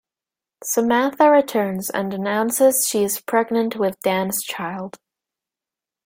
Samantha returns and announces she is pregnant with Dan's child.